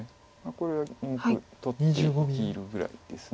これ２目取って生きるぐらいです。